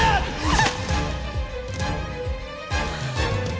あっ！